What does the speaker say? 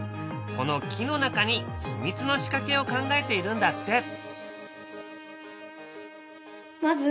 この木の中に秘密の仕掛けを考えているんだって。